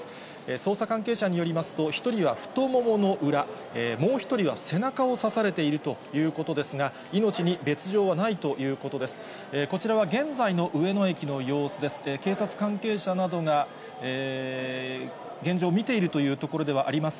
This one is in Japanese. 捜査関係者によりますと、１人は太ももの裏、もう１人は背中を刺されているということですが、命に別状はないということです。